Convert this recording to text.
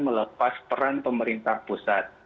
melepas peran pemerintah pusat